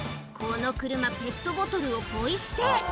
この車ペットボトルをポイ捨て